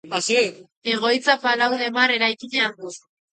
Egoitza Palau de Mar eraikinean du.